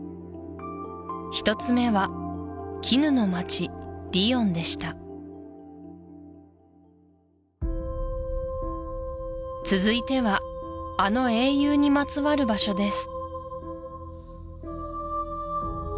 １つ目は絹の街リヨンでした続いてはあの英雄にまつわる場所です